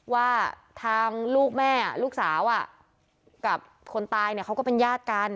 ว่าทางลูกแม่ลูกสาวกับคนตายเนี่ยเขาก็เป็นญาติกัน